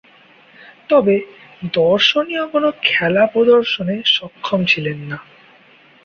তবে, দর্শনীয় কোন খেলা প্রদর্শনে সক্ষম ছিলেন না।